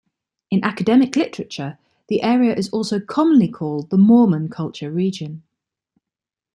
In academic literature, the area is also commonly called the Mormon culture region.